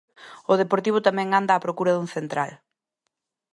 O Deportivo tamén anda á procura dun central.